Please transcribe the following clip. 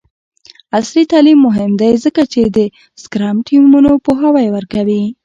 عصري تعلیم مهم دی ځکه چې د سکرم ټیمونو پوهاوی ورکوي.